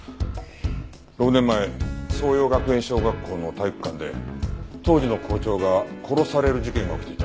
６年前爽葉学園小学校の体育館で当時の校長が殺される事件が起きていた。